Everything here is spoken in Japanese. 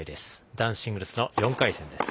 男子シングルスの４回戦です。